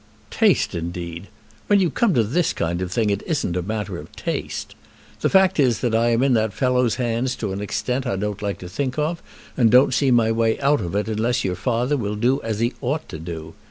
"Taste, indeed! When you come to this kind of thing it isn't a matter of taste. The fact is that I am in that fellow's hands to an extent I don't like to think of, and don't see my way out of it unless your father will do as he ought to do.